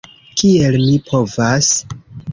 Kiel mi povas?